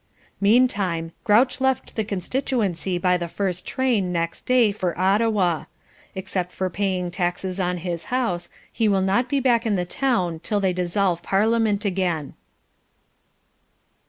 Meantime Grouch left the constituency by the first train next day for Ottawa. Except for paying taxes on his house, he will not be back in the town till they dissolve parliament again.